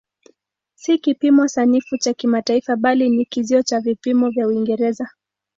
Si kipimo sanifu cha kimataifa bali ni kizio cha vipimo vya Uingereza.